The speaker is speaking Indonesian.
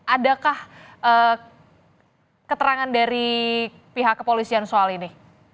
adakah keterangan dari pihak kepolisian soal ini